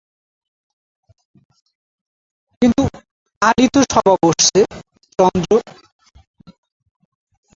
কিন্তু কালই তো সভা বসছে– চন্দ্র।